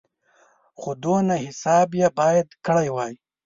خو دونه حساب یې باید کړی وای.